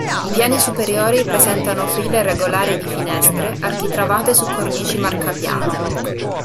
I piani superiori presentano file regolari di finestre architravate su cornici marcapiano.